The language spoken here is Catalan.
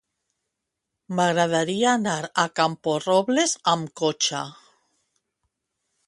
M'agradaria anar a Camporrobles amb cotxe.